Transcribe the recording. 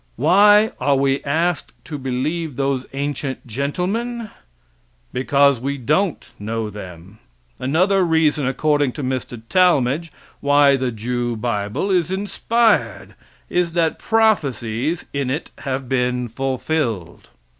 Why are we asked to believe those ancient gentlemen? Because we don't know them. Another reason, according to Mr. Talmage, why the Jew bible is inspired, is that prophecies in it have been fulfilled.